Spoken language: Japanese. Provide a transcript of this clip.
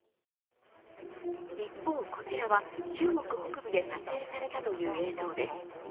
一方、こちらは中国北部で撮影されたという映像です。